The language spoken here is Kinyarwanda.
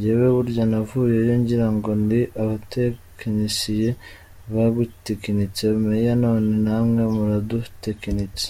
Jyewe burya navuyeyo ngirango ni abatekinisiye bagutekinitse Mayor none namwe muradutekinitse.